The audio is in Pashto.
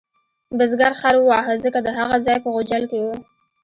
بزګر خر وواهه ځکه د هغه ځای په غوجل کې و.